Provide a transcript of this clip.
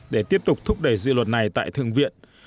để tiếp tục thúc đẩy dự luật này tại thượng viện